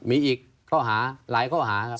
มีอีกข้อหาหลายข้อหาครับ